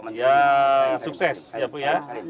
ya sukses ya bu ya